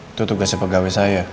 itu tugasnya pegawai saya